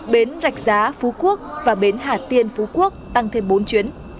bến rạch giá phú quốc và bến hà tiên phú quốc tăng thêm bốn chuyến